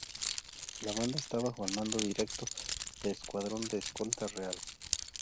La banda está bajo el mando directo de Escuadrón de Escolta Real.